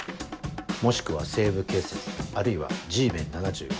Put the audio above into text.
もしくは『西部警察』あるいは『Ｇメン’７５』ね。